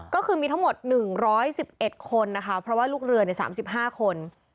ก็คือมีทั้งหมด๑๑๑คนนะคะเพราะว่าลูกเรือใน๓๕คน